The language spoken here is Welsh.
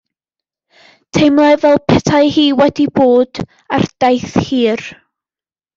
Teimlai fel petai hi wedi bod ar daith hir.